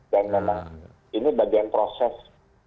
dan memang ini bagian proses